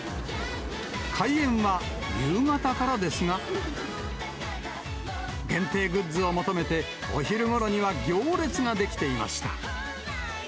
開演は夕方からですが、限定グッズを求めて、お昼ごろには行列が出来ていました。